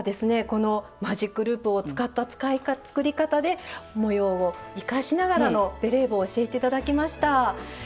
このマジックループを使った作り方で模様を生かしながらのベレー帽を教えて頂きました。